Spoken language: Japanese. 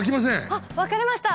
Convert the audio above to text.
あっ分かりました。